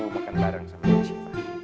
makan bareng sama si siva